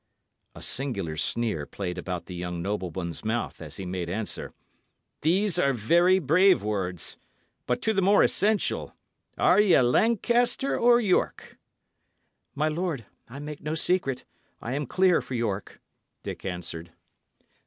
A singular sneer played about the young nobleman's mouth as he made answer: "These are very brave words. But to the more essential are ye Lancaster or York?" "My lord, I make no secret; I am clear for York," Dick answered.